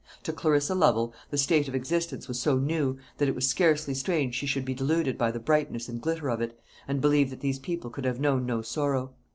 To Clarissa Lovel the state of existence was so new, that it was scarcely strange she should be deluded by the brightness and glitter of it, and believe that these people could have known no sorrow.